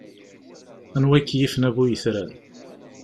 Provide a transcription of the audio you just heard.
Anwa i k-yifen a bu yetran?